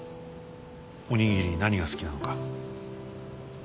お握り何が好きなのか。